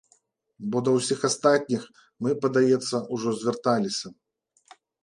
Бо да ўсіх астатніх мы, падаецца, ужо звярталіся.